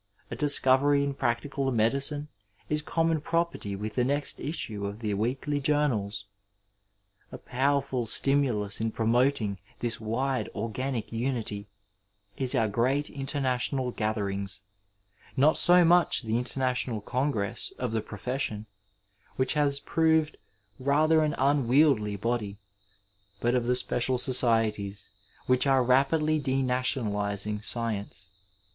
A discovery in practical medicine is conmion property with the next issue of the weekly journals. A powerful stimulus in promoting this wide organic unity is our great international gatherings — ^not so much the International Congress of the profession, which has proved rather an unwieldy body, but of the special societies which are rapidly denationaUzing science.